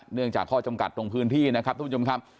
เนื่องจากข้อจำกัดตรงพื้นที่นะครับทุกผู้ชมครับ